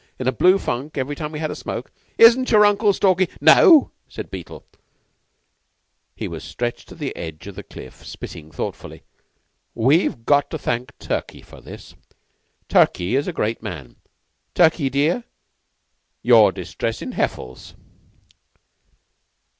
in a blue funk every time we had a smoke? Isn't your Uncle Stalky ?" "No," said Beetle he was stretched at the edge of the cliff spitting thoughtfully. "We've got to thank Turkey for this. Turkey is the Great Man. Turkey, dear, you're distressing Heffles."